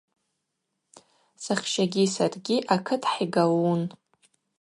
Сахщагьи саргьи акыт хӏигалун.